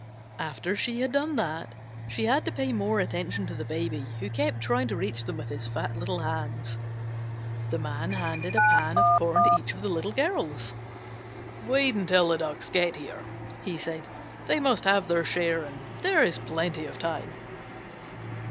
After she had done that, she had to pay more attention to the Baby, who kept trying to reach them with his fat little hands. The Man handed a pan of corn to each of the Little Girls. "Wait until the Ducks get here," he said. "They must have their share and there is plenty of time."